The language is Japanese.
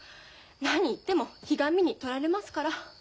何言ってもひがみに取られますから。